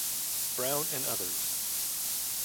Brown and others.